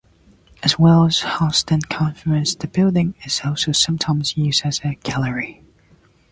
As well as hosting conferences, the building is also sometimes used as a gallery.